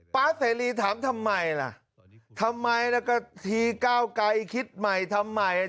๊าเสรีถามทำไมล่ะทำไมแล้วก็ทีก้าวไกรคิดใหม่ทำไม